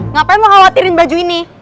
ngapain lo khawatirin baju ini